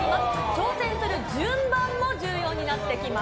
挑戦する順番も重要になってきます。